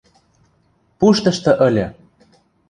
— Пуштышты ыльы!